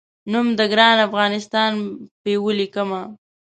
نوم د ګران افغانستان په ولیکمه